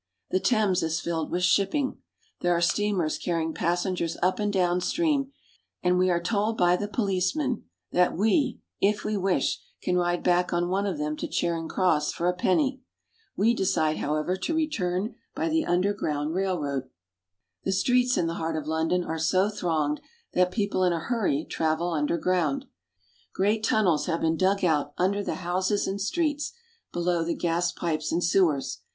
The Thames is filled with shipping. There are steamers carrying passengers up and down stream, and we are told by the policemen that we, if we wish, can ride back on one of them to Charing Cross for a penny. We decide, however, to return by the underground railroad. LONDON. 75 We return by the underground railroad. The streets in the heart of London are so thronged that people in a hurry travel under ground. Great tunnels have been dug out under the houses and streets, below the gas pipes and sewers.